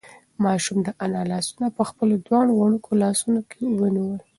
ماشوم د انا لاسونه په خپلو دواړو وړوکو لاسونو کې ونیول.